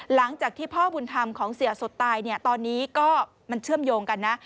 หลังจากที่พ่อบุญธรรมของเสียสดตายเนี่ยตอนนี้ก็มันเชื่อมโยงกันนะ